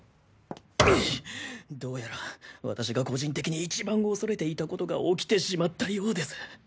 どうやら私が個人的に一番恐れていたことが起きてしまったようです。